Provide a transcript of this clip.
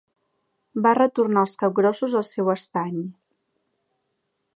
Va retornar els capgrossos al seu estany.